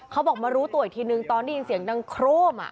เขาบอกมารู้ตัวอีกทีนึงตอนได้ยินเสียงดังโครม